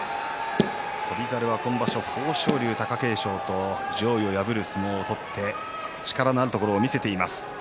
翔猿は今場所豊昇龍、貴景勝と上位を破る相撲を取って力のあるところを見せています。